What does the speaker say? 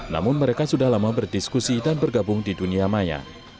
namun mereka sudah lama berdiskusi dan bergabung di dunia maya